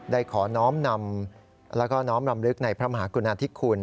ได้ขอน้อมนำแล้วก็น้อมรำลึกในพระมหากุณาธิคุณ